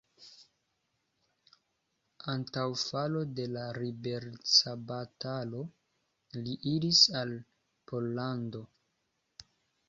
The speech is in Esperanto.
Antaŭ falo de la liberecbatalo li iris al Pollando.